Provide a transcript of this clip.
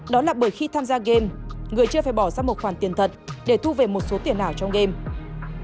đó là bởi khi tham gia game người chưa phải bỏ ra một khoản tiền thật để thu về một số tiền ảo trong game